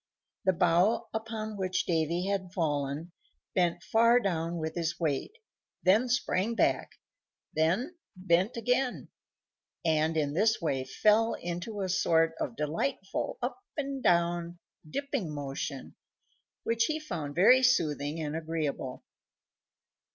The bough upon which Davy had fallen bent far down with his weight, then sprang back, then bent again, and in this way fell into a sort of delightful up and down dipping motion, which he found very soothing and agreeable.